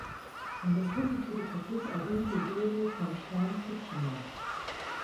Eine positive Kritik erhielt die Serie von Shaun Kitchener.